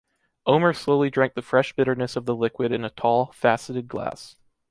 Omer slowly drank the fresh bitterness of the liquid in a tall, faceted glass.